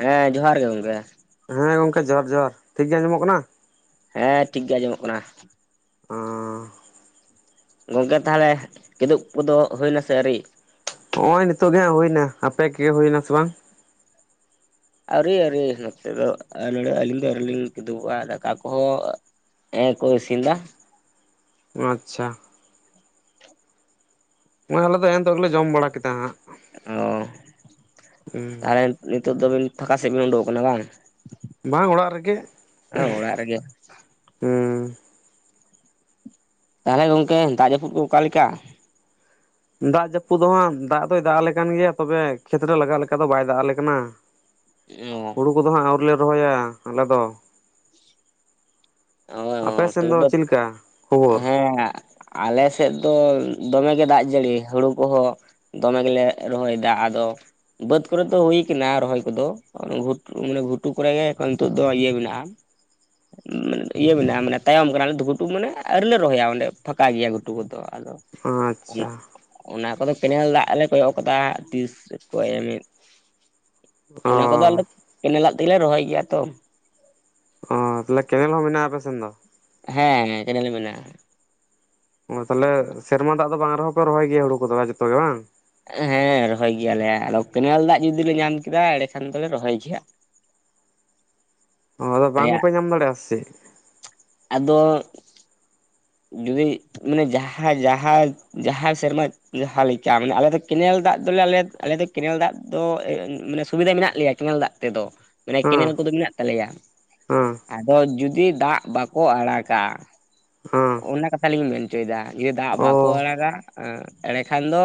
ᱦᱮᱸ ᱡᱚᱦᱟᱨ ᱜᱮ ᱜᱚᱝᱠᱮ᱾ ᱦᱮᱸ ᱜᱚᱝᱠᱮ ᱡᱚᱦᱟᱨ ᱡᱚᱦᱟᱨ, ᱴᱷᱤᱠ ᱜᱮ ᱟᱸᱡᱚᱢᱚᱜ ᱠᱟᱱᱟ? ᱦᱮᱸ ᱴᱷᱤᱠ ᱜᱮ ᱟᱸᱡᱚᱢᱚᱜ ᱠᱟᱱᱟ᱾ [unintelligible] ᱜᱚᱝᱠᱮ ᱛᱟᱦᱟᱞᱮ ᱠᱤᱫᱩᱜ ᱠᱚᱫᱚ ᱦᱩᱭᱱᱟ ᱥᱮ ᱟᱹᱣᱨᱤ? ᱦᱚᱸᱜᱚᱭ ᱱᱤᱛᱳᱜ ᱜᱮ ᱦᱟᱸᱜ ᱦᱳᱭᱱᱟ, ᱟᱯᱮᱠᱮ ᱦᱳᱭ ᱱᱟ ᱥᱮ ᱵᱟᱝ? ᱟᱹᱣᱨᱤ ᱟᱹᱣᱨᱤ ᱱᱚᱛᱮ ᱫᱚ [inaudible] ᱟᱹᱞᱤᱧ ᱫᱚ ᱟᱹᱣᱨᱤᱞᱤᱧ ᱠᱤᱫᱩᱵᱚᱜ-ᱟ, ᱫᱟᱠᱟ ᱠᱚᱦᱚᱸ ᱮᱸ ᱠᱚ ᱤᱥᱤᱱ ᱫᱟ᱾ ᱟᱪᱪᱷᱟ᱾ ᱦᱚᱸᱜᱚᱭ ᱟᱞᱮ ᱫᱚ ᱦᱮᱸᱜᱮ ᱱᱤᱛᱳᱜ ᱜᱮᱞᱮ ᱡᱚᱢ ᱵᱟᱲᱟ ᱠᱮᱫᱟ ᱾ ᱚ ᱛᱟᱦᱟᱞᱮ ᱱᱤᱛᱳᱜ ᱫᱚᱵᱤᱱ ᱯᱷᱟᱠᱟ ᱥᱮᱫ ᱵᱤᱱ ᱳᱸᱰᱳᱜ ᱠᱟᱱᱟ ᱵᱟᱝ? ᱵᱟᱝ ᱚᱲᱟᱜ ᱨᱮᱜᱮ ᱚ ᱚᱲᱟᱜ ᱨᱮᱜᱮ [unintelligible] ᱛᱟᱦᱟᱞᱮ ᱜᱚᱝᱠᱮ ᱫᱟᱜ ᱡᱟᱹᱯᱩᱫ ᱠᱚ ᱚᱠᱟ ᱞᱮᱠᱟ? ᱫᱟᱜ ᱡᱟᱹᱯᱩᱫ ᱫᱚ ᱦᱟᱸᱜ ᱫᱟᱜ ᱫᱚᱭ ᱫᱟᱜ ᱟᱞᱮ ᱠᱟᱱ ᱜᱮᱭᱟ, ᱛᱚᱵᱮ ᱠᱷᱮᱛ ᱨᱮ ᱞᱟᱜᱟᱜ ᱞᱮᱠᱟ ᱫᱚ ᱵᱟᱭ ᱫᱟᱜ ᱟᱞᱮ ᱠᱟᱱᱟ᱾ [unintelligible] ᱦᱩᱲᱩ ᱠᱚᱫᱚ ᱦᱟᱸᱜ ᱟᱹᱣᱨᱤ ᱞᱮ ᱨᱚᱦᱚᱭ-ᱟ ᱟᱞᱮ ᱫᱚ᱾ ᱟᱯᱮ ᱚ ᱥᱮᱱ ᱛᱚᱵᱮ ᱫᱚ ᱪᱤᱫ ᱞᱮᱠᱟ ᱠᱷᱳᱵᱳᱨ? [inaudible] ᱟᱞᱮ ᱥᱮᱫ ᱫᱚ ᱫᱚᱢᱮ ᱜᱮ ᱫᱟᱜ ᱡᱟᱹᱲᱤ ᱦᱩᱲᱩ ᱠᱚᱦᱚᱸ ᱫᱚᱢᱮ ᱜᱮᱞᱮ ᱨᱚᱦᱚᱭ ᱫᱟ, ᱟᱫᱚ ᱵᱟᱹᱫᱽ ᱠᱚᱨᱮ ᱫᱚ ᱦᱩᱭ ᱠᱟᱱᱟ ᱨᱚᱦᱚᱭ ᱠᱚᱫᱚ᱾ [inaudible] ᱜᱷᱩᱴᱩ ᱠᱚᱨᱮ ᱜᱮ ᱱᱤᱛᱳᱜ ᱫᱚ ᱤᱭᱟᱹ ᱢᱮᱱᱟᱜ-ᱟ [inaudible] ᱤᱭᱟᱹ ᱢᱮᱱᱟᱜ-ᱟ ᱢᱟᱱᱮ ᱛᱟᱭᱚᱢ ᱠᱟᱱᱟ, [inaudible] ᱜᱷᱩᱴᱩ ᱢᱟᱱᱮ ᱟᱹᱣᱨᱤᱞᱮ ᱨᱚᱦᱚᱭᱟ ᱚᱸᱰᱮ ᱯᱷᱟᱠᱟ ᱜᱮᱭᱟ ᱜᱷᱩᱴᱩ ᱠᱚᱫᱚ᱾ ᱟᱫᱚ [inaudible] ᱟᱪᱪᱷᱟ ᱚᱱᱟ ᱠᱚᱫᱚ ᱠᱮᱱᱮᱞ ᱫᱟᱜ ᱞᱮ ᱠᱚᱭᱚᱜ ᱠᱟᱫᱟ ᱛᱤᱥ ᱠᱚ ᱮᱢᱮᱫ᱾ ᱚ ᱚᱱᱟ ᱠᱚᱫᱚ ᱟᱞᱮ ᱠᱮᱱᱮᱞ ᱫᱟᱜ ᱛᱮᱜᱮ ᱞᱮ ᱨᱚᱦᱚᱭ ᱜᱮᱭᱟ ᱛᱚ᱾ ᱚ ᱛᱟᱞᱦᱮ ᱠᱮᱱᱮᱞ ᱦᱚᱸ ᱢᱮᱱᱟᱜ-ᱟ ᱟᱯᱮ ᱥᱮᱱ ᱫᱚ? ᱦᱮᱸ ᱦᱮᱸ ᱠᱮᱱᱮᱞ ᱢᱮᱱᱟᱜ-ᱟ᱾ ᱛᱟᱞᱦᱮ ᱥᱮᱨᱢᱟ ᱫᱟᱜ ᱫᱚ ᱵᱟᱝ ᱨᱮᱦᱚᱸ ᱯᱮ ᱨᱚᱦᱚᱭ ᱜᱮᱭᱟ ᱦᱩᱲᱩ ᱠᱚᱫᱚ ᱡᱚᱛᱚ ᱜᱮ ᱵᱟᱝ? ᱦᱮᱸ ᱨᱚᱦᱚᱭ ᱜᱮᱭᱟ ᱞᱮ ᱟᱫᱚ ᱠᱮᱱᱮᱞ ᱫᱟᱜ ᱡᱩᱫᱤ ᱞᱮ ᱧᱟᱢ ᱠᱮᱫᱟ ᱮᱸᱲᱮ ᱠᱷᱟᱱ ᱫᱚᱞᱮ ᱨᱚᱦᱚᱭ ᱜᱮᱭᱟ᱾ ᱚ ᱟᱫᱚ ᱵᱟᱝ ᱦᱮᱸ ᱦᱚᱸᱯᱮ ᱧᱟᱢ ᱫᱟᱲᱮᱜ-ᱟ [inaudible] ᱥᱤᱫ? ᱟᱫᱚ ᱡᱩᱫᱤ ᱢᱟᱱᱮ ᱡᱟᱦᱟᱸ ᱡᱟᱦᱟᱸ ᱡᱟᱦᱟᱸ ᱥᱮᱨᱢᱟ ᱡᱟᱦᱟᱸ ᱞᱮᱠᱟ ᱢᱟᱱᱮ ᱟᱞᱮ ᱫᱚ ᱠᱮᱱᱮᱞ ᱫᱟᱜ ᱫᱚᱞᱮ ᱟᱞᱮ ᱟᱞᱮ ᱫᱚ ᱠᱮᱱᱮᱞ ᱫᱟᱜ ᱫᱚ ᱢᱟᱱᱮ ᱥᱩᱵᱤᱫᱟ ᱢᱮᱱᱟᱜ ᱞᱮᱭᱟ, ᱠᱮᱱᱮᱞ ᱫᱟᱜ ᱛᱮᱫᱚ᱾ ᱢᱟᱱᱮ ᱦᱮᱸ ᱠᱮᱱᱮᱞ ᱠᱚᱫᱚ ᱢᱮᱱᱟᱜ ᱛᱟᱞᱮᱭ-ᱟ ᱦᱮᱸ ᱟᱫᱚ ᱡᱩᱫᱤ ᱫᱟᱜ ᱵᱟᱠᱚ ᱟᱲᱟᱜ-ᱟ ᱦᱮᱸ ᱚᱱᱟ ᱠᱟᱛᱷᱟ ᱞᱤᱧ ᱢᱮᱱ ᱦᱚᱪᱚᱭ ᱫᱟ ᱡᱮ ᱫᱟᱜ ᱚ ᱵᱟᱠᱚ ᱟᱲᱟᱜ-ᱟ, ᱮᱸ ᱮᱸᱲᱮ ᱠᱷᱟᱱ ᱫᱚ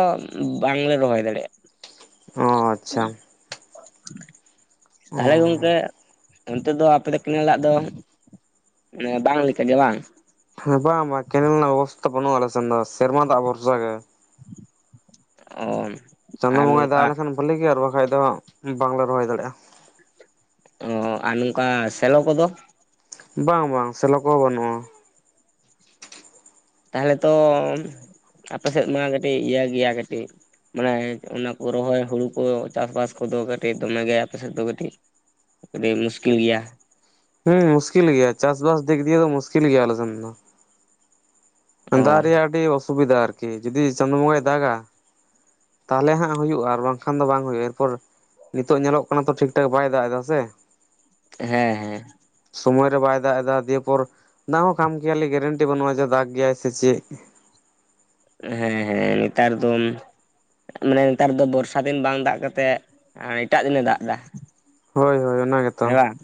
ᱵᱟᱝᱞᱮ ᱨᱚᱦᱚᱭ ᱫᱟᱲᱮᱜ-ᱟ᱾ ᱚ ᱟᱪᱪᱷᱟ ᱛᱟᱦᱟᱞᱮ ᱜᱚᱝᱠᱮ ᱚᱱᱛᱮ ᱫᱚ ᱟᱯᱮ ᱫᱚ ᱠᱮᱱᱮᱞ ᱫᱟᱜ ᱫᱚ ᱢᱟᱱᱮ ᱵᱟᱝ ᱞᱮᱠᱟ ᱜᱮ ᱵᱟᱝ? ᱦᱮᱸ ᱵᱟᱝ ᱵᱟᱝ ᱠᱮᱱᱮᱞ ᱨᱮᱱᱟᱜ ᱵᱮᱵᱚᱥᱛᱷᱟ ᱵᱟᱹᱱᱩᱜ-ᱟ, ᱟᱞᱮ ᱥᱮᱱ ᱫᱚ ᱥᱮᱨᱢᱟ ᱫᱟᱜ ᱵᱷᱚᱨᱥᱟ ᱜᱮ᱾ ᱚ ᱪᱟᱸᱫᱳ ᱟᱨ ᱵᱚᱸᱜᱟᱭ ᱱᱚᱝᱠᱟ ᱫᱟᱜ ᱞᱮᱠᱷᱟᱱ ᱵᱷᱟᱹᱞᱤ ᱜᱮ ᱟᱨ ᱵᱟᱝᱠᱷᱟᱱ ᱵᱟᱝᱞᱮ ᱨᱚᱦᱚᱭ ᱫᱟᱲᱮᱭᱟᱜᱼᱟ᱾ ᱚ ᱟᱨ ᱱᱚᱝᱠᱟ ᱥᱮᱞᱚ ᱠᱚᱫᱚ? ᱵᱟᱝ ᱵᱟᱝ ᱥᱮᱞᱚ ᱠᱚ ᱵᱟᱹᱱᱩᱜ-ᱟ᱾ ᱛᱟᱦᱚᱞᱮ ᱛᱚ ᱟᱯᱮ ᱥᱮᱫ ᱢᱟ ᱠᱟᱹᱴᱤᱡ ᱤᱭᱟᱹ ᱜᱮᱭᱟ ᱠᱟᱹᱴᱤᱡ, ᱢᱟᱱᱮ ᱚᱱᱟ ᱠᱚ ᱨᱚᱦᱚᱭ ᱦᱩᱲᱩ ᱠᱚ ᱪᱟᱥ ᱵᱟᱥ ᱠᱚᱫᱚ ᱠᱟᱹᱴᱤᱡ ᱫᱚᱢᱮ ᱜᱮ ᱟᱯᱮ ᱥᱮᱫ ᱫᱚ ᱠᱟᱹᱴᱤᱡ, ᱟᱹᱰᱤ ᱢᱩᱥᱠᱤᱞ ᱜᱮᱭᱟ᱾ ᱦᱩᱸ ᱢᱩᱥᱠᱤᱞ ᱜᱮᱭᱟ ᱪᱟᱥ ᱵᱟᱥ ᱫᱤᱠ ᱫᱤᱭᱮ ᱫᱚ ᱢᱩᱥᱠᱤᱞ ᱜᱮᱭᱟ ᱟᱞᱮ ᱥᱮᱱ ᱫᱚ᱾ ᱚ ᱫᱟᱜ ᱨᱮᱭᱟᱜ ᱟᱹᱰᱤ ᱚᱥᱩᱵᱤᱫᱷᱟ ᱟᱨ ᱠᱤ ᱡᱚᱫᱤ ᱪᱟᱸᱫᱳ ᱵᱚᱸᱜᱟᱭ ᱫᱟ ᱜᱟ᱾ ᱛᱟᱦᱚᱞᱮ ᱦᱟᱸᱜ ᱦᱩᱭᱩᱜᱼᱟ ᱟᱨ ᱵᱟᱝᱠᱷᱟᱱ ᱫᱚ ᱵᱟᱝ ᱦᱩᱭᱩᱜᱼᱟ ᱾ᱮᱨ ᱯᱚᱨ, ᱱᱤᱛᱚᱜ ᱧᱮᱞᱚᱜ ᱠᱟᱱᱟ ᱛᱚ ᱴᱷᱤᱠ ᱴᱷᱟᱠ ᱵᱟᱭ ᱫᱟᱜ ᱮᱫᱟ ᱥᱮ᱾ ᱦᱮᱸ ᱦᱮᱸ᱾ ᱥᱚᱢᱚᱭ ᱨᱮ ᱵᱟᱭ ᱫᱟᱜ ᱮᱫᱟ ᱫᱤᱭᱮ ᱯᱚᱨ ᱫᱟᱜ ᱦᱚᱸ ᱠᱷᱟᱢ ᱠᱷᱮᱭᱟᱞᱤ ᱜᱮᱨᱮᱱᱴᱤ ᱵᱟᱹᱱᱩᱜᱼᱟ ᱡᱮ ᱫᱟᱜ ᱜᱮᱭᱟᱭ ᱥᱮ ᱪᱮᱫ? ᱦᱮᱸ ᱦᱮᱸ ᱱᱮᱛᱟᱨ ᱫᱚ᱾ ᱢᱟᱱᱮ ᱱᱮᱛᱟᱨ ᱫᱚ ᱵᱚᱨᱥᱟ ᱫᱤᱱ ᱵᱟᱝ ᱫᱟᱜ ᱠᱟᱛᱮᱫ ᱮᱴᱟᱜ ᱫᱤᱱᱮ ᱫᱟᱜ ᱫᱟ᱾ ᱦᱳᱭ ᱦᱳᱭ ᱚᱱᱟᱜᱮ ᱾ ᱦᱮᱸ ᱵᱟᱝ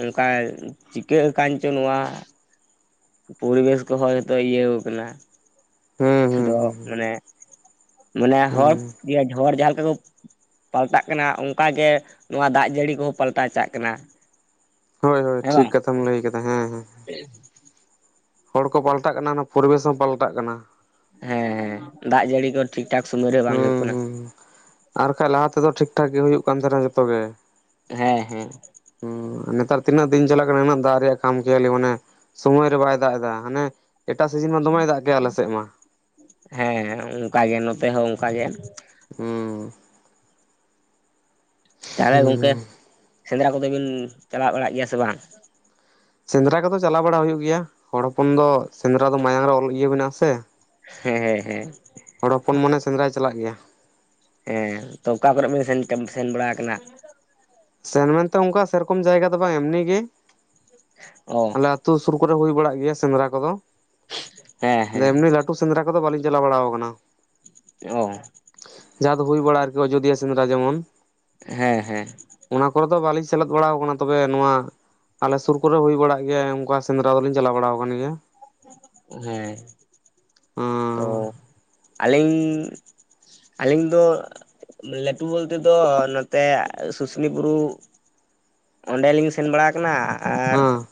ᱚᱱᱠᱟ ᱪᱤᱠᱟᱹᱜ ᱟᱠᱟᱱ ᱪᱚ ᱱᱚᱣᱟ ᱯᱚᱨᱤᱵᱮᱥ ᱠᱚᱦᱚᱸ ᱱᱤᱛᱚ ᱤᱭᱟᱹ ᱠᱟᱱᱟ ᱦᱩᱸ ᱦᱩᱸ ᱫᱚ ᱦᱩᱸ ᱢᱟᱱᱮ, ᱢᱟᱱᱮ ᱦᱚᱲ ᱦᱩᱸ [unintelligible] ᱡᱟᱦᱟᱸᱮ ᱞᱮᱠᱟ ᱠᱚ᱾ ᱯᱟᱞᱴᱟᱜ ᱠᱟᱱᱟ ᱚᱱᱠᱟᱜ ᱜᱮ ᱱᱚᱣᱟ ᱫᱟᱜ ᱡᱟᱹᱲᱤ ᱠᱚᱦᱚᱸ ᱯᱟᱞᱴᱟ ᱪᱟᱜ ᱠᱟᱱᱟ ᱾ ᱦᱳᱭ ᱦᱳᱭ ᱴᱷᱤᱠ ᱠᱟᱛᱷᱟᱢ ᱞᱟᱹᱭ ᱠᱮᱫᱟ ᱦᱮᱸ ᱦᱮᱸ ᱾ ᱦ [unintelligible] ᱦᱚᱲ ᱠᱚ ᱯᱟᱞᱴᱟᱜ ᱠᱟᱱᱟ ᱚᱱᱟ ᱯᱚᱨᱤᱵᱮᱥ ᱦᱚᱸ ᱯᱟᱞᱴᱟᱜ ᱠᱟᱱᱟ ᱾ ᱦᱮᱸ ᱦᱮᱸ ᱫᱟᱜ ᱴᱟᱲᱤ ᱠᱚ ᱴᱷᱤᱠ ᱴᱷᱟᱠ ᱥᱳᱢᱚᱭ ᱨᱮ ᱵᱟᱝ ᱦᱩᱭᱩᱜ ᱠᱟᱱᱟ ᱾ ᱟᱨᱠᱟᱱᱡ ᱞᱟᱦᱟ ᱛᱮᱫᱚ ᱴᱷᱤᱠ ᱴᱷᱟᱠ ᱜᱮ ᱦᱩᱭᱩᱜ ᱠᱟᱱ ᱛᱟᱦᱮᱱᱟ ᱡᱚᱛᱚ ᱜᱮ ᱾ ᱦᱮᱸ ᱦᱮᱸ ᱾ ᱦ ᱱᱮᱛᱟᱨ ᱛᱤᱱᱟᱹᱜ ᱫᱤᱱ ᱪᱟᱞᱟᱜ ᱠᱟᱱᱟ ᱩᱱᱟᱹᱜ ᱫᱟᱜ ᱨᱮᱭᱟᱜ ᱠᱟᱢ ᱠᱮᱭᱟᱞᱤ ᱢᱟᱱᱮ᱾ ᱥᱚᱢᱚᱭ ᱨᱮ ᱵᱟᱭ ᱫᱟᱜ ᱮᱫᱟ ᱦᱟᱱᱮ ᱮᱴᱟᱜ ᱥᱤᱡᱤᱱ ᱢᱟ ᱫᱚᱢᱮ ᱫᱟᱜ ᱠᱮᱛ ᱟᱞᱮ ᱥᱮᱫ ᱢᱟ ᱾ ᱦᱮᱸ ᱦᱮᱸ ᱚᱱᱠᱟ ᱜᱮ ᱱᱚᱛᱮ ᱦᱚᱸ ᱚᱱᱠᱟᱜᱮ ᱾ ᱦᱩᱸ᱾ ᱛᱟᱦᱚᱞᱮ ᱜᱚᱢᱠᱮ ᱥᱮᱸᱫᱽᱨᱟ ᱠᱚᱫᱚ ᱵᱤᱱ ᱪᱟᱞᱟᱣ ᱵᱟᱲᱟᱜ ᱜᱮᱭᱟ ᱥᱮ ᱵᱟᱝ? ᱥᱮᱸᱫᱽᱨᱟ ᱠᱚᱫᱚ ᱪᱟᱞᱟᱣ ᱵᱟᱲᱟ ᱦᱩᱭᱩᱜ ᱜᱮᱭᱟ ᱦᱚᱲ ᱦᱚᱯᱚᱱ ᱫᱚ ᱥᱮᱸᱫᱽᱨᱟ ᱫᱚ ᱢᱟᱭᱟᱝ ᱨᱮ ᱚᱞ ᱤᱭᱟᱹ ᱢᱮᱱᱟᱜ ᱥᱮ ᱾ ᱦᱮᱸ ᱦᱮᱸ ᱦᱮᱸ ᱾ ᱦᱚᱲ ᱦᱚᱯᱚᱱ ᱢᱚᱱᱮ ᱥᱮᱸᱫᱽᱨᱟᱭ ᱪᱟᱞᱟᱜ ᱜᱮᱭᱟ ᱾ ᱦᱮᱸ ᱛᱚ ᱚᱠᱟ ᱠᱚᱨᱮ ᱵᱮᱱ ᱥᱮᱱ ᱵᱟᱲᱟ ᱠᱟᱱᱟ? ᱥᱮᱱ ᱢᱮᱱᱛᱮ ᱚᱱᱠᱟ ᱥᱮ ᱨᱚᱠᱚᱢ ᱡᱟᱭᱜᱟ ᱫᱚ ᱵᱟᱝ ᱮᱢᱱᱤ ᱜᱮ ᱾ ᱚ ᱟᱞᱮ ᱥᱩᱨ ᱥᱩᱨ ᱠᱚᱨᱮ ᱦᱩᱭ ᱵᱟᱲᱟᱜ ᱜᱮᱭᱟ᱾ ᱥᱮᱸᱫᱽᱨᱟ ᱠᱚᱫᱚ ᱦᱮᱸ ᱦᱮᱸ ᱮᱢᱱᱤ ᱞᱟᱹᱴᱩ ᱥᱮᱸᱫᱽᱨᱟ ᱠᱚᱫᱚ ᱵᱟᱹᱞᱤᱧ ᱪᱟᱞᱟ ᱟᱵᱟᱲᱟ ᱾ ᱚ᱾ ᱡᱟᱦᱟᱸ ᱫᱚ ᱦᱩᱭ ᱠᱟᱲᱟ ᱟᱡᱚᱰᱭᱟ ᱟᱨᱠᱤ ᱡᱩᱫᱤ ᱥᱮᱸᱫᱽᱨᱟ ᱡᱚᱢᱚᱱ ᱾ ᱦᱮᱸ ᱦᱮᱸ᱾ ᱚᱱᱟ ᱠᱚᱨᱮ ᱫᱚ ᱵᱟᱞᱤᱧ ᱥᱮᱞᱮᱫ ᱵᱟᱲᱟ ᱟᱠᱟᱱᱟ ᱛᱚᱵᱮ ᱱᱚᱣᱟ ᱟᱞᱮ ᱥᱩᱨ ᱠᱚᱨᱮ ᱦᱩᱭ ᱵᱟᱲᱟᱜ ᱚᱱᱠᱟ ᱥᱮᱸᱫᱽᱨᱟ ᱫᱚᱞᱤᱧ ᱪᱟᱞᱟᱣ ᱵᱟᱲᱟ ᱟᱠᱟᱱ ᱜᱮᱭᱟ ᱾ ᱦᱮᱸ ᱛᱚ ᱟᱹᱞᱤᱧ, ᱟᱹᱞᱤᱧ ᱫᱚ ᱞᱟᱹᱴᱩ ᱵᱚᱞᱛᱮᱫᱚ ᱱᱚᱛᱮ ᱥᱩᱥᱱᱤ ᱵᱩᱨᱩ᱾ ᱚᱸᱰᱮᱞᱤᱧ ᱥᱮᱱ ᱵᱟᱲᱟ ᱟᱠᱟᱱᱟ ᱟᱨ, ᱦᱮᱸ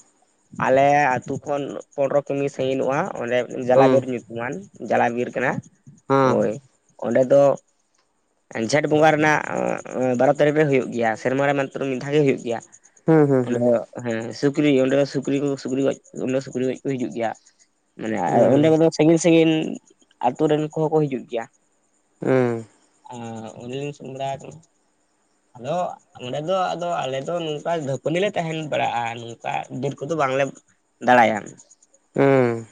ᱟᱞᱮ ᱟᱹᱛᱩ ᱠᱷᱚᱱ ᱯᱚᱨᱚᱵᱽ ᱠᱟᱹᱢᱤ ᱥᱟᱹᱜᱤ ᱧᱚᱜ-ᱟ ᱚᱸᱰᱮ ᱡᱟᱞᱟ ᱦᱮᱸ ᱵᱤᱨ ᱧᱩᱛᱩᱢᱟᱱ᱾ ᱡᱟᱞᱟ ᱵᱤᱨ ᱠᱟᱱᱟ ᱦᱳᱭ ᱚᱸᱰᱮ ᱫᱚ᱾ ᱡᱷᱮᱸᱴ ᱵᱚᱸᱜᱟ ᱨᱮᱱᱟᱜ ᱵᱟᱨᱚ ᱛᱟᱹᱨᱤᱠᱷ ᱨᱮ ᱦᱩᱭᱩᱜ ᱜᱮᱭᱟ ᱥᱮᱨᱢᱟ ᱨᱮ ᱢᱤᱫ ᱫᱷᱟᱣ ᱜᱮ ᱦᱩᱭᱩᱜ ᱜᱮᱭᱟ᱾ ᱦᱮᱸ ᱦᱮᱸ ᱦᱩᱸ ᱦᱩᱸ ᱚᱸᱰᱮ ᱫᱚ ᱦᱮᱸ ᱥᱩᱠᱨᱤ ᱚᱸᱰᱮ ᱥᱩᱠᱨᱤ ᱠᱚ ᱥᱩᱠᱨᱤ ᱜᱚᱡ ᱚᱸᱰᱮ ᱥᱩᱠᱨᱤ ᱜᱚᱡ ᱠᱚ ᱦᱤᱡᱩᱜ ᱜᱮᱭᱟ ᱾ ᱢᱟᱱᱮ ᱦᱩᱸ ᱚᱸᱰᱮ ᱠᱚᱫᱚ ᱥᱟᱺᱜᱤᱧ ᱥᱟᱺᱜᱤᱧ ᱟᱹᱛᱩ ᱨᱮᱱ ᱠᱚ ᱦᱚᱸ ᱠᱚ ᱦᱤᱡᱩᱜ ᱜᱮᱭᱟ ᱾ ᱦᱮᱸ᱾ [unintelligible] ᱟᱫᱚ ᱚᱸᱰᱮ ᱟᱫᱚ ᱟᱞᱮ ᱫᱚ [unintelligible] ᱛᱟᱦᱮᱸᱱ ᱵᱟᱲᱟᱜ-ᱟ ᱱᱚᱝᱠᱟ ᱵᱤᱨ ᱠᱚᱫᱚ ᱵᱟᱝᱞᱮ ᱫᱟᱬᱟᱭᱟ ᱾ ᱦᱩᱸᱻ᱾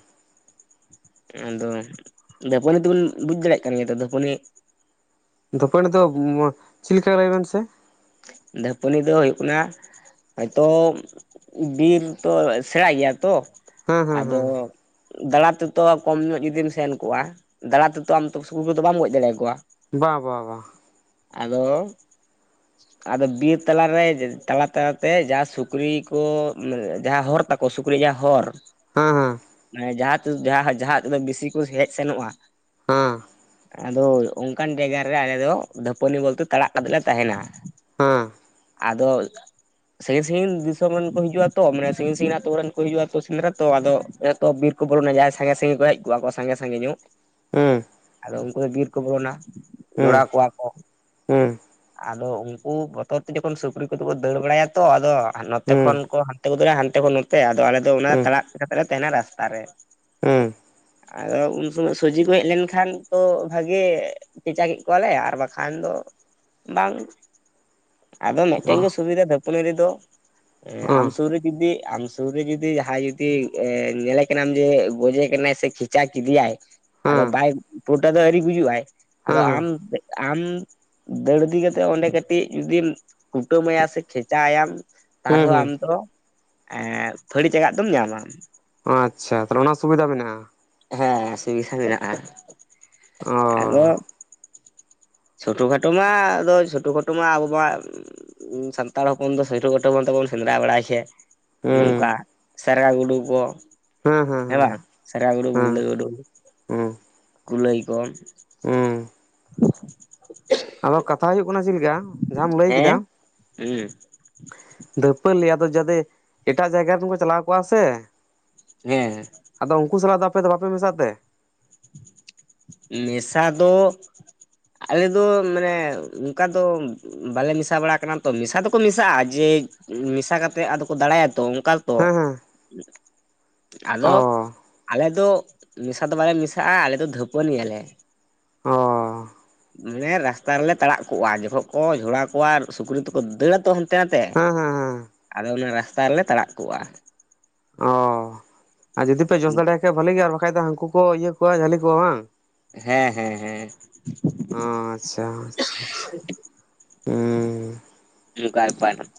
ᱟᱫᱚ ᱫᱷᱟᱹᱯᱟᱹᱱᱤ ᱛᱚ ᱵᱤᱱ ᱵᱩᱡ ᱫᱟᱲᱮᱭᱟᱜ ᱠᱟᱱ ᱜᱮᱭᱟ ᱛᱚ ᱫᱷᱟᱹᱯᱟᱹᱱᱤ ᱫᱟᱹᱯᱟᱹᱱᱤ ᱫᱚ ᱪᱮᱫ ᱞᱮᱠᱟ ᱞᱟᱹᱭ ᱵᱮᱱ ᱥᱮ? ᱫᱟᱹᱯᱟᱹᱱᱤ ᱫᱚ ᱦᱩᱭᱩᱜ ᱠᱟᱱᱟ᱾ ᱦᱳᱭᱵᱛᱚ ᱵᱤᱨ ᱛᱚ ᱥᱮᱬᱟ ᱜᱮᱭᱟ ᱛᱚ ᱦᱮᱸ ᱦᱮᱸ ᱟᱫᱚ᱾ ᱦᱮᱸ ᱫᱟᱬᱟ ᱛᱮᱛᱚ ᱠᱚᱢ ᱧᱚᱜ ᱡᱩᱫᱤᱢ ᱥᱮᱱ ᱠᱚᱜ-ᱟ ᱫᱟᱬᱟ ᱛᱮᱛᱚ ᱟᱢ ᱛᱚ [unintelligible] ᱠᱚᱫᱚ ᱵᱟᱢ ᱜᱚᱡ ᱫᱟᱲᱮᱭᱟᱠᱚᱣᱟ᱾ ᱵᱟ ᱵᱟ ᱵᱟ᱾ ᱟᱫᱚ ᱟᱫᱚ ᱵᱤᱨ ᱛᱟᱞᱟᱨᱮ ᱛᱟᱞᱟ ᱛᱟᱞᱟᱛᱮ ᱡᱟ ᱥᱩᱠᱨᱤ ᱠᱚ ᱡᱟᱦᱟᱸ ᱦᱚᱨ ᱛᱟᱠᱚ ᱥᱩᱠᱨᱤ ᱡᱟ ᱦᱚᱨ ᱦᱮᱸ ᱦᱮᱸ ᱢᱟᱱᱮ ᱡᱟᱦᱟᱸ ᱡᱟᱦᱟᱸ ᱡᱟᱦᱟᱸ ᱛᱚ ᱵᱮᱥᱤ ᱠᱚ ᱦᱮᱡ ᱥᱮᱱᱚᱜ-ᱟ᱾ ᱦᱮᱸ ᱟᱫᱚ ᱚᱱᱠᱟᱱ ᱡᱟᱭᱜᱟ ᱨᱮ ᱟᱞᱮ ᱫᱚ ᱫᱷᱟᱹᱯᱟᱹᱱᱤ ᱵᱚᱞᱛᱮ ᱛᱟᱲᱟᱜ ᱠᱟᱛᱮ ᱞᱮ ᱛᱟᱦᱮᱸᱱᱟ᱾ ᱦᱮᱸ᱾ ᱟᱫᱚ᱾ ᱥᱟᱹᱜᱤᱧ ᱥᱟᱹᱜᱤᱧ ᱫᱤᱥᱚᱢ ᱨᱮᱱ ᱠᱚ ᱦᱤᱡᱩᱜ-ᱟ ᱛᱚ ᱢᱟᱱᱮ ᱥᱟᱹᱜᱤᱧ ᱥᱟᱹᱜᱤᱧ ᱟᱛᱳ ᱨᱮᱱ ᱠᱚ ᱦᱤᱡᱩᱜ-ᱟ ᱛᱚ ᱥᱮᱫᱽᱨᱟ ᱛᱚ ᱟᱫᱚ᱾ ᱛᱚ ᱵᱤᱨ ᱠᱚ ᱵᱚᱞᱚᱱᱟ ᱡᱟᱦᱟᱸᱭ ᱥᱟᱸᱜᱮ ᱥᱟᱸᱜᱮ ᱠᱚ ᱦᱮᱡ ᱠᱚᱜ-ᱟ ᱠᱚ ᱥᱟᱸᱜᱮ ᱥᱟᱸᱜᱮ ᱧᱚᱜ᱾ ᱦᱮᱸ ᱟᱫᱚ ᱩᱱᱠᱩ ᱫᱚ ᱵᱤᱨ ᱠᱚ ᱵᱚᱞᱚᱱᱟ ᱦᱮᱸ ᱡᱚᱲᱟᱣ ᱠᱚᱣᱟ ᱠᱚ᱾ ᱦᱮᱸ ᱟᱫᱚ ᱩᱱᱠᱩ ᱵᱚᱛᱚᱨ ᱛᱮ ᱡᱚᱠᱷᱚᱱ ᱥᱩᱠᱨᱤ ᱠᱚᱫᱚ ᱠᱚ ᱫᱟᱹᱲ ᱵᱟᱲᱟᱭᱟ᱾ ᱛᱚ ᱟᱫᱚ ᱱᱚᱛᱮ ᱠᱷᱚᱱ ᱦᱮᱸ ᱠᱚ ᱦᱟᱱᱛᱮ ᱜᱚᱫᱚᱜ-ᱟ, ᱦᱟᱱᱛᱮ ᱠᱷᱚᱱ ᱱᱚᱛᱮ ᱟᱫᱚ ᱟᱞᱮ ᱫᱚ ᱚᱱᱟ ᱛᱟᱲᱟᱜ ᱠᱟᱛᱮᱞᱮ ᱛᱟᱦᱮᱸᱱᱟ ᱨᱟᱥᱛᱟ ᱨᱮ᱾ ᱦᱮᱸ᱾ ᱟᱫᱚ ᱩᱱ ᱥᱚᱢᱚᱭ ᱥᱚᱵᱡᱤ ᱯᱮ ᱦᱮᱡ ᱞᱮᱱᱠᱷᱟᱱ ᱛᱚ ᱵᱷᱟᱜᱤ ᱠᱷᱮᱪᱟ ᱠᱮᱫ ᱠᱚᱣᱟᱞᱮ ᱟᱨ ᱵᱟᱠᱷᱟᱱ ᱫᱚ ᱵᱟᱝ᱾ ᱟᱫᱚ ᱢᱤᱫᱴᱮᱱ ᱦᱮᱸ ᱜᱮ ᱥᱩᱵᱤᱫᱷᱟ ᱫᱷᱟᱹᱯᱟᱹᱲᱤ ᱨᱮᱫᱚ ᱟᱢ ᱦᱮᱸ ᱥᱩᱨ ᱨᱮ ᱡᱩᱫᱤ ᱟᱢ ᱥᱩᱠᱚᱨᱤ ᱡᱩᱫᱤ ᱡᱟᱦᱟᱸᱭ ᱡᱩᱫᱤ ᱧᱮᱞᱮ ᱠᱟᱱᱟᱢ ᱡᱮ ᱜᱚᱡᱮ ᱠᱟᱱᱟᱭ ᱥᱮ ᱠᱷᱮᱪᱟ ᱠᱮᱫᱮ ᱭᱟᱭ᱾ ᱟᱫᱚ ᱦᱮᱸ ᱵᱟᱭ ᱯᱩᱨᱳᱴᱟ ᱫᱚ ᱟᱹᱣᱨᱤ ᱜᱩᱡᱩᱜ-ᱟᱭ ᱟᱫᱚ ᱟᱢ᱾ ᱦᱮᱸ ᱟᱢ ᱫᱟᱹᱲ ᱤᱫᱤ ᱠᱟᱛᱮ ᱚᱸᱰᱮ ᱠᱟᱹ ᱠᱟᱹᱴᱤᱡ ᱡᱩᱫᱤᱢ ᱠᱩᱴᱟᱹᱢ ᱟᱭᱟ ᱥᱮ ᱠᱷᱮᱪᱟ ᱟᱭᱟᱢ ᱛᱟᱨ ᱦᱮᱸ ᱦᱩᱸ ᱦᱚᱸ ᱟᱢ ᱫᱚ᱾ ᱮᱸᱻ ᱯᱷᱟᱹᱲᱤ ᱪᱟᱜᱟᱫ ᱫᱚᱢ ᱧᱟᱢᱟ᱾ ᱟᱪᱪᱷᱟ ᱛᱟᱦᱚᱸᱞᱮ ᱚᱱᱟ ᱥᱩᱵᱤᱫᱷᱟ ᱢᱮᱱᱟᱜ-ᱟ᱾ ᱦᱮᱸ ᱥᱩᱵᱤᱫᱷᱟ ᱢᱮᱱᱟᱜ-ᱟ ᱟᱫᱚ᱾ ᱚ ᱪᱷᱳᱴᱳ ᱠᱷᱟᱴᱳ ᱢᱟ ᱟᱫᱚ ᱪᱷᱳᱴᱳ ᱠᱷᱟᱴᱳ ᱢᱟ ᱟᱵᱚ ᱢᱟ, ᱥᱟᱱᱛᱟᱲ ᱦᱚᱯᱚᱱ ᱫᱚ ᱥᱩᱴᱩ ᱛᱮᱵᱚᱱ ᱥᱮᱸᱫᱽᱨᱟ ᱵᱟᱲᱟᱭ ᱥᱮᱹ ᱱᱚᱝᱠᱟ ᱦᱩᱸ ᱥᱟᱨᱜᱟ ᱜᱩᱰᱩ ᱠᱚ᱾ ᱦᱮᱸ ᱵᱟᱝ ᱥᱟᱹᱨᱜᱟ ᱜᱩᱰᱩ ᱦᱮᱸ ᱵᱩᱞᱫᱟᱹ ᱜᱩᱰᱩ ᱦᱩᱸ ᱠᱩᱞᱟᱹᱭ ᱠᱚ ᱾ ᱦᱩᱸ ᱟᱫᱚ ᱠᱟᱛᱷᱟ ᱦᱩᱭᱩᱜ ᱠᱟᱱᱟ ᱪᱮᱫ ᱞᱮᱠᱟ ᱡᱟᱸᱟᱢ ᱞᱟᱹᱭ ᱠᱮᱫᱟ ᱦᱮᱸ ᱾ ᱦᱩᱸ ᱫᱷᱟᱹᱯᱟᱹᱞᱤ ᱟᱫᱚ ᱡᱟᱫᱤ ᱮᱴᱟᱜ ᱡᱟᱭᱜᱟ ᱨᱮᱱ ᱠᱚ ᱪᱟᱞᱟᱣ ᱠᱚᱜᱼᱟ ᱥᱮ ᱾ ᱦᱮᱸ ᱦᱮᱸ ᱾ ᱟᱫᱚ ᱩᱱᱠᱩ ᱥᱟᱞᱟᱜ ᱫᱚ ᱟᱯᱮ ᱫᱚ ᱵᱟᱯᱮ ᱢᱮᱥᱟᱜ ᱛᱮ? ᱢᱮᱥᱟ ᱫᱚ ᱟᱞᱮ ᱫᱚ ᱢᱟᱱᱮ ᱚᱱᱠᱟ ᱫᱚ ᱵᱟᱞᱮ ᱢᱮᱥᱟ ᱵᱟᱲᱟ ᱠᱟᱱᱟ ᱛᱚ ᱢᱮᱥᱟ ᱫᱚᱠᱚ ᱢᱮᱥᱟᱜᱼᱟ ᱡᱮ ᱢᱮᱥᱟ ᱠᱟᱛᱮᱫ ᱟᱫᱚ ᱠᱚ ᱫᱟᱬᱟᱭᱟ ᱛᱚ ᱾ ᱛᱚ ᱦᱮᱸ ᱦᱮᱸ ᱟᱫᱚ ᱚ ᱟᱞᱮ ᱫᱚ ᱢᱮᱥᱟ ᱫᱚ ᱵᱟᱞᱮ ᱢᱮᱥᱟ ᱟ ᱟᱞᱮ ᱫᱚ ᱫᱷᱟᱹᱯᱟᱹᱱᱤ ᱟᱞᱮ ᱾ ᱚ ᱢᱟᱱᱮ ᱨᱟᱥᱛᱟ ᱨᱮᱞᱮ ᱛᱟᱲᱟᱜ ᱠᱚᱜᱼᱟ ᱡᱚᱠᱷᱚᱱ ᱠᱚ ᱡᱷᱚᱲᱟ ᱠᱚᱣᱟ ᱥᱩᱠᱨᱤ ᱛᱮᱠᱚ ᱫᱟᱹᱟᱹᱲᱟ ᱛᱚ ᱦᱟᱱᱛᱮ ᱱᱟᱛᱮ ᱦᱮᱸ ᱦᱮᱸ ᱦᱮᱸ ᱾ ᱟᱫᱚ ᱚᱱᱟ ᱨᱟᱥᱛᱟ ᱨᱮᱞᱮ ᱛᱟᱲᱟᱜ ᱠᱚᱜᱼᱟ ᱾ ᱚ ᱟᱨ ᱡᱩᱫᱤ ᱯᱮ ᱡᱚᱥ ᱫᱟᱲᱮᱭ ᱠᱷᱟᱡ ᱵᱷᱟᱹᱞᱤ ᱜᱮ ᱟᱨ ᱵᱟᱠᱷᱟᱡ ᱫᱚ ᱦᱟᱹᱱᱠᱩ ᱠᱚ ᱤᱭᱟᱹ ᱠᱚᱣᱟ ᱡᱟᱹᱞᱤ ᱠᱚᱣᱟ ᱵᱟᱝ? ᱦᱮᱸ ᱦᱮᱸ ᱦᱮᱸ ᱾ ᱟᱪᱪᱷᱟ ᱟᱪᱪᱷᱟ ᱟᱪᱪᱷᱟ ᱦᱩᱸ ᱾ [inaudible]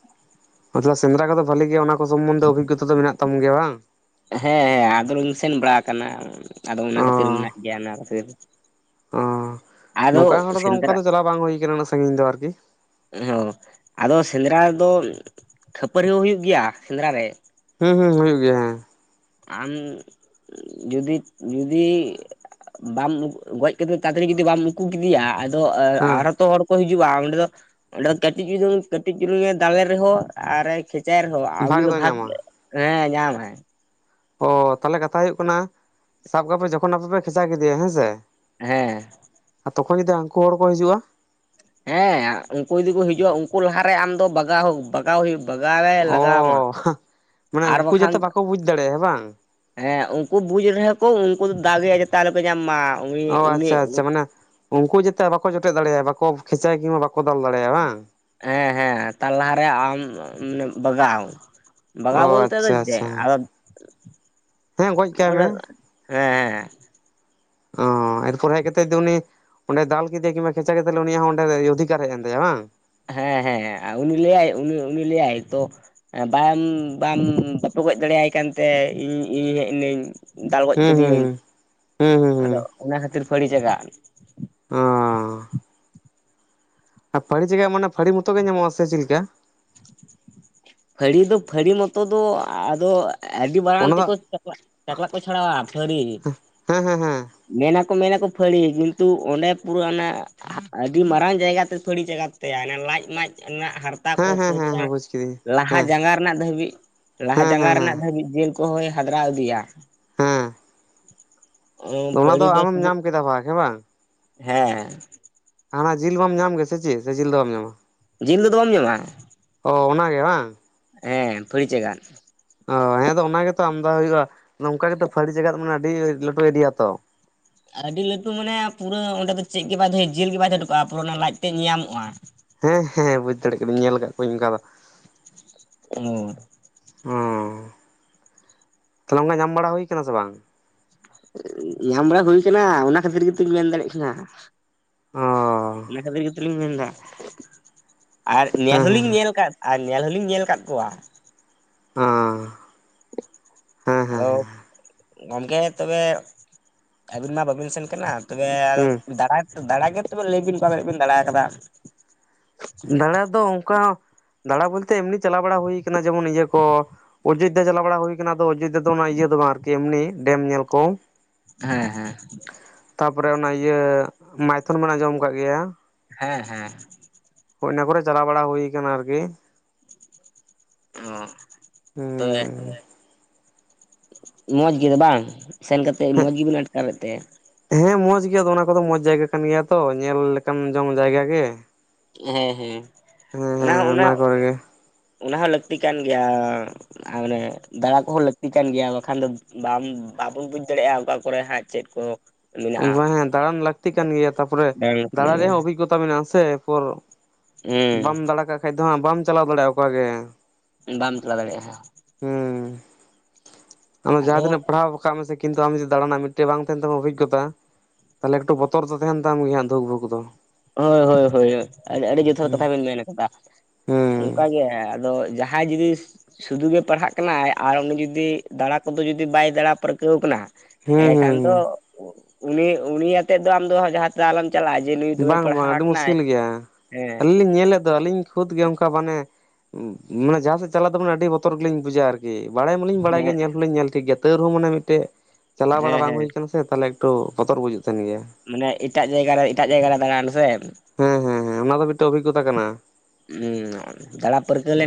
ᱥᱮᱸᱫᱨᱟ ᱠᱚᱫᱚ ᱵᱷᱟᱞᱤ ᱜᱮ ᱚᱱᱟ ᱠᱚ ᱥᱚᱢᱚᱱᱫᱷᱮ ᱚᱵᱷᱤᱜᱚᱛᱟ ᱢᱮᱱᱟᱜ ᱛᱟᱢ ᱜᱮᱭᱟ ᱵᱟᱝ? ᱦᱮᱸ ᱦᱮᱸ ᱟᱫᱚ ᱞᱤᱧ ᱥᱮᱱ ᱵᱟᱲᱟ ᱟᱠᱟᱱᱟ ᱟᱫᱚ ᱚᱱᱟ ᱚ ᱠᱷᱟᱹᱛᱤᱨ ᱢᱮᱱᱟᱜ ᱜᱮᱭᱟ ᱚᱱᱟ ᱠᱷᱟᱹᱛᱤᱨ ᱾ ᱚ ᱱᱚᱝᱠᱟ ᱦᱚᱲ ᱫᱚ ᱚᱱᱠᱟ ᱥᱮᱸᱫᱽᱨᱟ ᱫᱚ ᱪᱟᱞᱟᱣ ᱵᱟᱝ ᱦᱩᱭ ᱟᱠᱟᱱᱟ ᱩᱱᱟᱜ ᱥᱟᱺᱜᱤᱧ ᱫᱚ ᱟᱨᱠᱤ ᱾ ᱩᱸ ᱦᱚ ᱟᱫᱚ ᱥᱮᱸᱫᱽᱨᱟ ᱫᱚ ᱠᱷᱟᱹᱯᱟᱹᱨᱤ ᱦᱩᱭᱩᱜ ᱜᱮᱭᱟ ᱥᱮᱸᱫᱽᱨᱟ ᱨᱮ ᱾ ᱦᱩᱸ ᱦᱩᱸ ᱦᱩᱭᱩᱜ ᱜᱮᱭᱟ ᱦᱮᱸ ᱾ ᱟᱢ ᱡᱩᱫᱤ ᱡᱩᱫᱤ ᱵᱟᱢ ᱜᱚᱡ ᱠᱟᱛᱮᱫ ᱛᱟᱛᱟᱲᱤ ᱡᱩᱫᱤ ᱵᱟᱢ ᱩᱠᱩ ᱠᱮᱫᱮᱭᱟ ᱟᱫᱚ ᱦᱮᱸ ᱟᱨᱦᱚᱛᱚ ᱦᱚ ᱠᱚ ᱦᱤᱡᱩᱜ-ᱟ ᱚᱸᱰᱮ ᱚᱸᱰᱮ ᱫᱚ ᱠᱟᱹᱴᱤᱡ ᱪᱩᱞᱩᱝ ᱠᱟᱹᱴᱤᱡ ᱪᱩᱞᱩᱝ ᱮ ᱫᱟᱞᱮ ᱨᱮᱦᱚᱸ ᱟᱨ ᱠᱷᱮᱪᱟᱭ ᱮ ᱨᱮᱦᱚᱸ᱾ ᱟ ᱩᱱᱤ ᱵᱷᱟᱜᱽ ᱫᱚ ᱫᱚᱭ ᱵᱷᱟᱜ ᱧᱟᱢᱟ ᱦᱮᱸ ᱧᱟᱢ ᱟᱭ ᱾ ᱚ ᱛᱟᱞᱦᱮ ᱠᱟᱛᱷᱟ ᱦᱳᱭᱳᱜ ᱠᱟᱱᱟ ᱥᱟᱵ ᱠᱟᱜᱯᱮ ᱡᱚᱠᱷᱚᱱ ᱟᱯᱮ ᱯᱮ ᱠᱷᱮᱪᱟ ᱠᱮᱫᱮᱭᱟ ᱦᱮᱸᱥᱮ ᱾ ᱦᱮᱸ ᱾ ᱟᱨ ᱛᱚᱠᱷᱚᱡ ᱡᱩᱫᱤ ᱟᱝᱠᱩ ᱦᱚᱲ ᱠᱚ ᱦᱤᱡᱩᱜ-ᱟ? ᱦᱮᱸ ᱩᱱᱠᱩ ᱡᱩᱫᱤ ᱠᱚ ᱦᱤᱡᱩᱜ-ᱟ ᱩᱱᱠᱩ ᱞᱟᱦᱟᱨᱮ ᱟᱢ ᱫᱚ ᱵᱟᱜᱟᱣ ᱵᱟᱜᱟ ᱞᱟᱜᱟᱣ ᱦᱩᱭᱩᱜ ᱵᱟᱜᱟᱣ ᱮ ᱞᱟᱜᱟᱣ ᱟᱢᱟ ᱚ ᱢᱟᱱᱮ ᱟᱨ ᱩᱱᱠᱩ ᱵᱟᱠᱷᱟᱱ ᱡᱟᱛᱮ ᱵᱟᱠᱚ ᱵᱩᱡᱽ ᱫᱟᱲᱮᱭᱟᱜᱼᱟ ᱦᱮᱸ ᱵᱟᱝ ᱦᱮᱸ ᱩᱱᱠᱩ ᱵᱩᱡᱽ ᱨᱮᱦᱚᱸ ᱠᱚ ᱩᱱᱠᱩ ᱫᱚ ᱫᱟᱜᱮ ᱡᱟᱛᱮ ᱟᱞᱚ ᱠᱚ ᱧᱟᱢ ᱢᱟ ᱾ ᱚ ᱟᱪᱪᱷᱟ ᱟᱪᱪᱷᱟ ᱢᱟᱱᱮ ᱩᱱᱠᱩ ᱡᱟᱛᱮ ᱵᱟᱠᱚ ᱡᱚᱴᱮᱫ ᱫᱟᱲᱮᱭ-ᱟᱭ ᱵᱟᱠᱚ ᱠᱷᱮᱪᱟᱭ ᱠᱤᱝᱵᱟ ᱵᱟᱠᱚ ᱫᱟᱞ ᱫᱟᱲᱮᱭᱼᱟᱭ ᱵᱟᱝ? ᱦᱮᱸ ᱦᱮᱸ ᱛᱟᱨ ᱞᱟᱦᱟᱨᱮ ᱟᱢ ᱢᱟᱱᱮ ᱵᱟᱜᱟᱣᱟᱢ ᱾ ᱚ ᱵᱟᱜᱟᱣ ᱵᱚᱞᱛᱮ ᱟᱫᱚ ᱟᱪᱪᱷᱟ [inaudible] ᱦᱮᱸ ᱟᱪᱪᱷᱟ ᱦᱮᱸ ᱜᱚᱡ ᱠᱟᱭ ᱢᱮ ᱦᱮᱸ ᱦᱮᱸ ᱾ ᱚ ᱮᱨᱯᱚᱨ ᱦᱮᱡ ᱠᱟᱛᱮᱫ ᱫᱚ ᱩᱱᱤ ᱚᱸᱰᱮ ᱫᱟᱞ ᱠᱮᱫᱮᱭᱟ ᱠᱤᱝᱵᱟ ᱠᱷᱮᱪᱟ ᱠᱮᱫᱮᱭᱟ ᱛᱷᱟᱞᱮ ᱩᱱᱤᱭᱟᱜ ᱦᱚᱸ ᱚᱸᱰᱮ ᱚᱫᱷᱤᱠᱟᱨ ᱦᱮᱡ ᱮᱱ ᱛᱟᱭᱟ ᱵᱟᱝ? ᱦᱮᱸ ᱦᱮᱸ ᱩᱱᱤ ᱞᱟᱹᱭᱟᱭ ᱩᱱᱤ ᱩᱱᱤ ᱞᱟᱹᱭᱟᱭ ᱛᱚ ᱾ ᱵᱟᱢ ᱵᱟᱢ ᱵᱟᱯᱮ ᱜᱚᱡ ᱫᱟᱲᱮᱭᱟᱭ ᱠᱟᱱᱛᱮ ᱤᱧ ᱤᱧ ᱦᱮᱡ ᱮᱱᱟᱹᱧ ᱾ ᱫᱟᱞ ᱜᱚᱡ ᱦᱩᱸ ᱠᱟᱫᱮᱭᱟᱹᱧ ᱦᱩᱸ ᱦᱩᱸ ᱦᱩᱸ ᱚᱱᱟ ᱠᱷᱟᱹᱛᱤᱨ ᱯᱷᱟᱹᱲᱤ ᱪᱟᱜᱟᱜ ᱾ ᱚᱸ ᱾ ᱟ ᱯᱷᱟᱹᱲᱤ ᱪᱮᱠᱟ ᱢᱟᱱᱮ ᱯᱷᱟᱹᱲᱤ ᱢᱚᱛᱚ ᱜᱮ ᱧᱟᱢᱚᱜ-ᱟ ᱥᱮ ᱪᱮᱫᱞᱮᱠᱟ? ᱯᱷᱟᱹᱲᱤ ᱫᱚ ᱯᱷᱟᱹᱲᱤ ᱢᱚᱛᱚ ᱫᱚ ᱟᱫᱚ ᱟᱹᱰᱤ ᱵᱟᱲᱟᱝ ᱚᱱᱟ ᱫᱚ ᱛᱮᱠᱚ ᱪᱚᱠᱞᱟ ᱪᱟᱠᱞᱟᱜ ᱠᱚ ᱪᱷᱟᱹᱲᱟᱣᱟ ᱯᱷᱟᱹᱲᱤ ᱦᱮᱸ ᱦᱮᱸ ᱾ ᱢᱮᱱᱟᱠᱚ ᱢᱮᱱᱟᱠᱚ ᱯᱷᱟᱹᱲᱤ ᱠᱤᱱᱛᱩ ᱚᱸᱰᱮ ᱯᱩᱨᱟᱹᱟᱱᱟ ᱾ ᱟᱹᱰᱤ ᱢᱟᱨᱟᱝ ᱡᱟᱭᱜᱟᱛᱮ ᱛᱟᱹᱲᱤ ᱪᱟᱜᱟᱫ ᱛᱟᱭᱟ ᱞᱟᱡ ᱢᱟᱡ ᱨᱮᱱᱟᱜ ᱦᱟᱨ ᱦᱮᱸ ᱦᱮᱸ ᱦᱮᱸ ᱵᱩᱡ ᱠᱤᱫᱤᱧ ᱾ ᱞᱟᱦᱟ ᱡᱟᱸᱜᱟ ᱨᱮᱱᱟᱜ ᱫᱷᱟᱹᱵᱤᱡ ᱞᱟᱦᱟ ᱦᱮᱸ ᱡᱟᱸᱜᱟ ᱦᱮᱸ ᱦᱮᱸ ᱨᱮᱱᱟᱜ ᱫᱷᱟᱹᱵᱤᱡ ᱡᱮᱞ ᱠᱚᱦᱚᱸᱭ ᱦᱟᱫᱽᱨᱟᱣ ᱤᱫᱤᱭᱟ ᱾ ᱦᱮᱸ [inaudible] ᱚᱱᱟ ᱯᱷᱟᱹᱲᱤ ᱫᱚ ᱟᱢᱮᱢ ᱥᱩᱫᱩ ᱧᱟᱢ ᱠᱮᱫᱟ ᱵᱷᱟᱜᱽ ᱦᱮᱸ ᱵᱟᱝ [inaudible] ᱦᱮᱸ ᱾ ᱦᱟᱱᱟ ᱡᱤᱞ ᱵᱟᱢ ᱧᱟᱢ ᱜᱮ ᱥᱮ ᱪᱮᱫ ᱥᱮ ᱡᱤᱞ ᱫᱚ ᱵᱟᱢ ᱧᱟᱢᱟ ᱾ ᱡᱤᱞ ᱠᱚᱫᱚ ᱵᱟᱢ ᱧᱟᱢᱟ ᱾ ᱚ ᱚᱱᱟᱜᱮ ᱵᱟᱝ? ᱦᱮᱸ ᱯᱷᱟᱹᱲᱤ ᱪᱟᱜᱟᱫ ᱾ ᱚ ᱦᱮᱸ ᱟᱫᱚ ᱚᱱᱟ ᱜᱮᱛᱚ ᱟᱢᱫᱟ ᱦᱳᱭᱩᱜ-ᱟ ᱾ ᱟᱫᱚ ᱚᱱᱠᱟ ᱜᱮᱛᱚ ᱯᱷᱟᱹᱲᱤ ᱪᱟᱜᱟᱫ ᱢᱟᱱᱮ ᱟᱹᱰᱤ ᱞᱟᱹᱴᱩ ᱮᱨᱤᱭᱟ ᱛᱚ᱾ ᱟᱹᱰᱤ ᱞᱟᱹᱴᱩ ᱢᱟᱱᱮ ᱯᱩᱨᱟᱹ ᱚᱸᱰᱮ ᱫᱚ ᱪᱮᱫ ᱜᱮ ᱵᱟᱭ ᱫᱚᱦᱚᱭᱟ ᱡᱮᱞ ᱜᱮ ᱵᱟᱭ ᱫᱚᱦᱚ ᱦᱚᱴᱚᱠᱟᱜ-ᱟ ᱯᱩᱨᱟᱹ ᱚᱱᱟ ᱞᱟᱡ ᱛᱮᱫ ᱧᱮᱧᱟᱢᱚᱜ-ᱟ ᱾ ᱦᱮᱸ ᱦᱮᱸ ᱵᱩᱡ ᱫᱟᱲᱮᱜ ᱠᱟᱱᱟᱹᱧ ᱧᱮᱞ ᱟᱠᱟᱫ ᱠᱚᱣᱟᱧ ᱚᱱᱠᱟ ᱫᱚ ᱾ ᱚ ᱾ ᱚᱸ ᱾ [inaudible] ᱛᱟᱦᱞᱮ ᱚᱱᱟ ᱧᱟᱢ ᱵᱟᱲᱟ ᱦᱩᱭ ᱠᱟᱱᱟ ᱥᱮ ᱵᱟᱝ? ᱧᱟᱢ ᱵᱟᱲᱟ ᱦᱩᱭ ᱠᱟᱱᱟ ᱚᱱᱟ ᱠᱷᱟᱹᱛᱤᱨ ᱜᱮᱛᱩᱧ ᱢᱮᱱ ᱫᱟᱲᱮᱜ ᱠᱟᱱᱟ ᱾ ᱚ [inaudible] ᱚᱱᱟ ᱠᱷᱟᱹᱛᱤᱨ ᱜᱮᱛᱚᱞᱤᱧ ᱢᱮᱱᱮᱫᱟ ᱾ [inaudible] ᱟᱨ ᱧᱮᱞ ᱦᱮᱸ ᱦᱚᱞᱤᱧ ᱦᱮᱸ ᱧᱮᱞ ᱠᱟᱫ ᱟᱨ ᱧᱮᱞ ᱦᱚᱞᱤᱧ ᱧᱮᱞ ᱟᱠᱟᱫ ᱠᱚᱣᱟ ᱾ ᱦᱚᱸ ᱾ ᱟᱫᱚ [inaudible] ᱜᱚᱢᱠᱮ ᱛᱚᱵᱮ [inaudible] ᱟᱹᱵᱤᱱ ᱢᱟ ᱵᱟᱵᱤᱱ ᱥᱮᱱ ᱠᱟᱱᱟ ᱾ ᱛᱚᱵᱮ ᱟᱫᱚ ᱦᱩᱸ ᱫᱟᱲᱟ ᱫᱟᱲᱟ ᱜᱮ ᱛᱚᱵᱮ ᱞᱟᱹᱭ ᱵᱤᱱ ᱚᱠᱟ ᱠᱚᱨᱮᱜ ᱵᱤᱱ ᱫᱟᱲᱟ ᱟᱠᱟᱫᱟ? ᱫᱟᱬᱟ ᱫᱚ ᱚᱱᱠᱟ ᱫᱟᱬᱟ ᱵᱳᱞᱛᱮ ᱮᱢᱱᱤ ᱪᱟᱞᱟᱣ ᱵᱟᱲᱟ ᱦᱩᱭ ᱠᱟᱱᱟ ᱡᱮᱢᱚᱱ ᱤᱭᱟᱹ ᱠᱚ ᱚᱡᱳᱫᱽᱫᱷᱟ ᱪᱟᱞᱟᱣ ᱵᱟᱲᱟ ᱦᱩᱭ ᱟᱠᱟᱱᱟ, ᱟᱫᱚ ᱚᱡᱳᱫᱽᱫᱷᱟ ᱚᱱᱟ ᱤᱭᱟᱹ ᱫᱚ ᱵᱟᱝ ᱟᱨᱠᱤ ᱮᱢᱱᱤ ᱰᱮᱢ ᱧᱮᱞ ᱠᱚ ᱾ ᱦᱮᱸ ᱦᱮᱸ ᱾ ᱛᱟᱯᱚᱨᱮ ᱚᱱᱟ ᱤᱭᱟᱹ ᱢᱟᱭᱛᱷᱚᱱ ᱵᱮᱱ ᱟᱸᱡᱚᱢ ᱟᱠᱟᱫ ᱜᱮᱭᱟ ᱾ ᱦᱮᱸ ᱦᱮᱸ ᱾ ᱦᱳᱭ ᱚᱱᱟ ᱠᱚᱨᱮ ᱪᱟᱞᱟᱣ ᱵᱟᱲᱟ ᱦᱩᱭ ᱠᱟᱱᱟ ᱟᱨᱠᱤ ᱾ ᱚ ᱾ ᱦᱩᱸᱻ ᱢᱚᱡᱽ ᱜᱮ ᱵᱟᱝ ᱥᱮᱱ ᱠᱟᱛᱮᱫ ᱢᱚᱡᱽ ᱜᱮᱵᱤᱱ ᱟᱴᱠᱟᱨ ᱞᱮᱫ ᱛᱮ? ᱦᱮᱸ ᱢᱚᱸᱡᱽ ᱜᱮᱭᱟ ᱟᱫᱚ ᱚᱱᱟ ᱠᱚᱫᱚ ᱢᱚᱸᱡᱽ ᱡᱟᱭᱜᱟ ᱠᱟᱱ ᱜᱮᱭᱟ ᱛᱚ ᱧᱮᱞ ᱞᱮᱠᱟᱱ ᱡᱚᱝ ᱡᱟᱭᱜᱟ ᱜᱮ ᱾ ᱦᱮᱸ ᱦᱮᱸ [inaudible] ᱚᱱᱟ ᱦᱚᱸ ᱦᱮᱸ ᱚᱱᱟ ᱠᱚᱨᱮ ᱜᱮ [inaudible] ᱚᱱᱟ ᱦᱚᱸ ᱞᱟᱹᱠᱛᱤ ᱠᱟᱱ ᱜᱮᱭᱟᱻ ᱟᱨ ᱢᱟᱱᱮ ᱫᱟᱬᱟ ᱠᱚᱦᱚᱸ ᱞᱟᱹᱠᱛᱤ ᱠᱟᱱ ᱜᱮᱭᱟ, ᱵᱟᱠᱷᱟᱱ ᱫᱚ ᱵᱟᱢ ᱵᱟᱵᱚᱱ ᱵᱩᱡᱽ ᱫᱟᱲᱮᱭᱟᱜ-ᱟ ᱚᱠᱟ ᱠᱚᱨᱮ ᱦᱟᱸᱜ ᱪᱮᱫ ᱠᱚ ᱢᱮᱱᱟᱜᱼᱟ ᱦᱳᱭ ᱦᱮᱸ ᱫᱟᱬᱟᱱ ᱞᱟᱹᱠᱛᱤ ᱠᱟᱱ ᱜᱮᱭᱟ ᱛᱟᱨᱯᱚᱨᱮ ᱫᱟᱬᱟᱱ ᱨᱮᱭᱟᱜ ᱦᱚᱸ ᱚᱵᱷᱤᱜᱚᱛᱟ ᱢᱮᱱᱟᱜ-ᱟ ᱥᱮ ᱾ ᱮᱨᱯᱚᱨ ᱦᱩᱸ ᱵᱟᱢ ᱫᱟᱬᱟ ᱠᱟᱜ ᱠᱷᱟᱡ ᱫᱚ ᱦᱟᱸᱜ ᱵᱟᱢ ᱪᱟᱞᱟᱣ ᱫᱟᱲᱮᱭᱟᱜ-ᱟ ᱚᱠᱟᱜᱮ ᱾ ᱵᱟᱢ ᱪᱟᱞᱟᱣ ᱫᱟᱲᱮᱭᱟᱜ-ᱟ ᱾ ᱦᱮᱸ ᱾ ᱟᱢ ᱫᱚ ᱡᱟᱦᱟᱸ ᱟᱫᱚ ᱛᱤᱱᱟᱹᱜ ᱯᱟᱲᱦᱟᱣ ᱠᱟᱜ ᱢᱮᱥᱮ ᱠᱤᱱᱛᱩ ᱟᱢ ᱡᱩᱫᱤ ᱫᱟᱬᱟᱱ ᱨᱮᱱᱟᱜ ᱢᱤᱫᱴᱟᱝ ᱵᱟᱝ ᱛᱟᱦᱮᱸᱱ ᱛᱟᱢᱟ ᱚᱵᱷᱤᱜᱚᱛᱟ ᱛᱟᱦᱚᱞᱮ ᱮᱠᱴᱩ ᱵᱚᱛᱚᱨ ᱫᱚ ᱛᱟᱦᱮᱱ ᱛᱟᱢ ᱜᱮᱭᱟ ᱫᱷᱩᱠᱯᱩᱠ ᱫᱚ ᱾ ᱦᱳᱭ ᱦᱳᱭ ᱦᱳᱭ ᱟᱹᱰᱤ ᱡᱚᱛᱷᱟᱛ ᱦᱩᱸ ᱠᱟᱛᱷᱟ ᱵᱤᱱ ᱢᱮᱱ ᱠᱟᱫᱟ ᱾ ᱦᱩᱸ ᱚᱱᱠᱟ ᱜᱮ ᱟᱫᱚ ᱡᱟᱦᱟᱸ ᱡᱤᱱᱤᱥ ᱥᱩᱫᱷᱩ ᱜᱮ ᱯᱟᱲᱦᱟᱜ ᱠᱟᱱᱟᱭ ᱟᱨ ᱩᱱᱤ ᱡᱩᱫᱤ ᱫᱟᱬᱟ ᱠᱚᱫᱚ ᱡᱩᱫᱤ ᱵᱟᱭ ᱫᱟᱬᱟ ᱯᱟᱹᱨᱠᱟᱹᱣ ᱠᱟᱱᱟ ᱦᱩᱸ ᱦᱩᱸ ᱮᱸᱰᱮᱠᱷᱟᱱ ᱫᱚ ᱦᱩᱸ [inaudible] ᱩᱱᱤ ᱩᱱᱤ ᱟᱛᱮᱫ ᱫᱚ ᱟᱢ ᱫᱚ ᱡᱟᱦᱟᱸ ᱛᱮᱫᱚ ᱟᱞᱚᱢ ᱪᱟᱞᱟᱜ-ᱟ ᱡᱮ ᱱᱩᱭ ᱫᱚᱢᱮ ᱵᱟᱝ ᱵᱟᱝ ᱯᱟᱲᱦᱟᱣ ᱟᱹᱰᱤ ᱠᱟᱱᱟᱭ ᱢᱩᱥᱠᱤᱞ ᱜᱮᱭᱟ ᱦᱮᱸ ᱾ [inaudible] ᱟᱹᱞᱤᱧ ᱞᱤᱧ ᱧᱮᱞᱮᱫ ᱫᱚ ᱟᱹᱞᱤᱧ ᱠᱷᱩᱫ ᱜᱮ ᱚᱱᱠᱟ ᱢᱟᱱᱮ ᱢᱟᱱᱮ ᱡᱟᱦᱟᱸ ᱥᱮᱫ ᱪᱟᱞᱟᱜ ᱫᱚ ᱢᱟᱱᱮ ᱟᱹᱰᱤ ᱵᱚᱛᱚᱨ ᱜᱮᱞᱤᱧ ᱵᱩᱡᱟ ᱟᱨ ᱠᱤ ᱾ ᱵᱟᱲᱟᱭ ᱢᱟᱞᱤᱧ ᱵᱟᱲᱟᱭ ᱦᱮᱸ ᱜᱮᱭᱟ ᱧᱮᱞ ᱦᱚᱸᱞᱤᱧ ᱧᱮᱞ ᱴᱷᱤᱠ ᱜᱮᱭᱟ ᱛᱟᱹᱣ ᱨᱮᱦᱚᱸ ᱢᱟᱱᱮ ᱢᱤᱫᱴᱮᱡ ᱪᱟᱞᱟᱣ ᱦᱮᱸ ᱵᱟᱲᱟ ᱵᱟᱝ ᱦᱮᱸ ᱦᱩᱭ ᱠᱟᱱᱟ ᱥᱮ ᱛᱟᱦᱚᱞᱮ ᱮᱠᱴᱩ ᱵᱚᱛᱚᱨ ᱵᱩᱡᱷᱟᱹᱜ ᱛᱟᱦᱮᱱ ᱜᱮᱭᱟ ᱾ ᱢᱟᱱᱮ ᱮᱴᱟᱜ ᱡᱟᱭᱜᱟ ᱨᱮ ᱮᱴᱟᱜ ᱡᱟᱭᱜᱟ ᱨᱮ ᱫᱟᱬᱟᱱ ᱥᱮ ᱾ ᱦᱮᱸ ᱦᱮᱸ ᱦᱮᱸ ᱚᱱᱟ ᱠᱚ ᱜᱮᱛᱚ ᱚᱵᱷᱤᱜᱚᱛᱟ ᱠᱟᱱᱟ᱾ ᱦᱩᱸ ᱫᱟᱬᱟ ᱯᱟᱹᱨᱠᱟᱹᱣ ᱞᱮᱱ